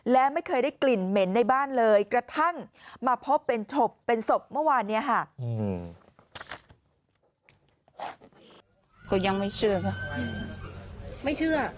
และไม่เคยได้กลิ่นเหม็นในบ้านเลยกระทั่งมาพบเป็นศพเป็นศพเมื่อวานเนี่ยค่ะ